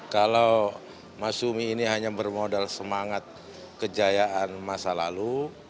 kalau mas umi ini hanya bermodal semangat kejayaan masa lalu